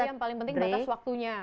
yang paling penting batas waktunya